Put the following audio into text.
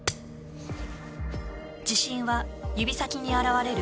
自信は指先に表れる。